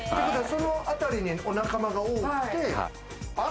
そのあたりに、お仲間が多くて。